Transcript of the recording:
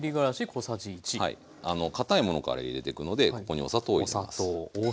かたいものから入れてくのでここにお砂糖を入れます。